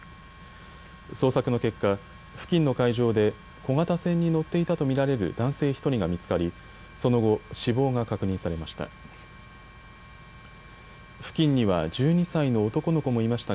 捜索の結果、付近の海上で小型船に乗っていたと見られる男性１人が見つかりその後、死亡が確認されました。